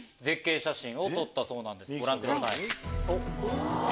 ご覧ください。